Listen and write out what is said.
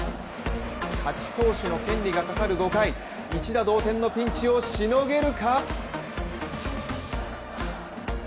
勝ち投手の権利がかかる５回、一打同点のピンチをしのげるか。